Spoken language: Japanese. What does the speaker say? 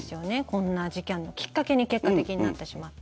こんな事件のきっかけに結果的になってしまって。